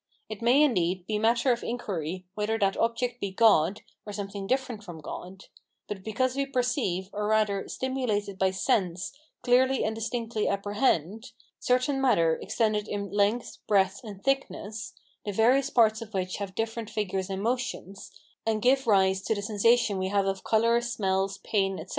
It may, indeed, be matter of inquiry whether that object be God, or something different from God; but because we perceive, or rather, stimulated by sense, clearly and distinctly apprehend, certain matter extended in length, breadth, and thickness, the various parts of which have different figures and motions, and give rise to the sensation we have of colours, smells, pain, etc.